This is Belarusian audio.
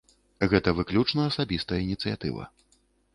Гэта выключна асабістая ініцыятыва.